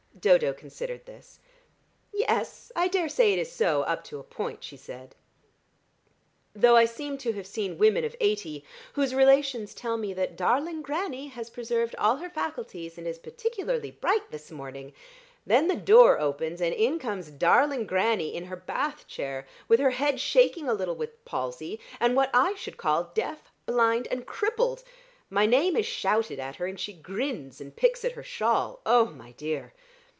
Dodo considered this. "Yes, I daresay it is so up to a point," she said, "though I seem to have seen women of eighty whose relations tell me that darling granny has preserved all her faculties, and is particularly bright this morning. Then the door opens and in comes darling granny in her bath chair, with her head shaking a little with palsy, and what I should call deaf and blind and crippled. My name is shouted at her, and she grins and picks at her shawl. Oh, my dear!